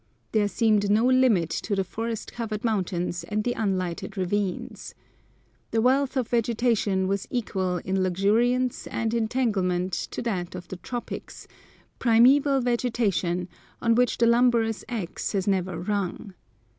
There seemed no limit to the forest covered mountains and the unlighted ravines. The wealth of vegetation was equal in luxuriance and entanglement to that of the tropics, primeval vegetation, on which the lumberer's axe has never rung.